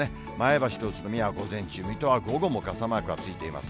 前橋と宇都宮は午前中、水戸は午後も傘マークがついています。